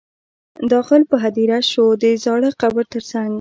داخل په هدیره شو د زاړه قبر تر څنګ.